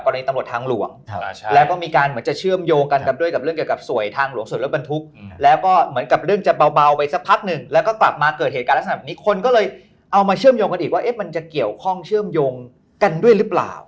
กรณีตำรวจทางหลวงแล้วก็มีการ